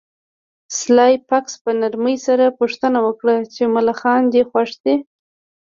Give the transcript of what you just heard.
سلای فاکس په نرمۍ سره پوښتنه وکړه چې ملخان دې خوښ دي